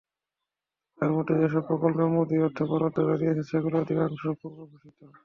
তাঁর মতে, যেসব প্রকল্পে মোদি অর্থ বরাদ্দের কথা জানিয়েছেন, সেগুলোর অধিকাংশই পূর্বঘোষিত।